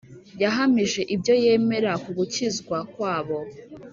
Yahamije ibyo yemera ku gukizwa kwabo,